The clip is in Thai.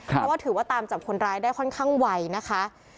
เพราะว่าถือว่าตามจับคนร้ายได้ค่อนข้างไวนะคะ